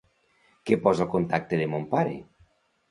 Què posa al contacte de mon pare?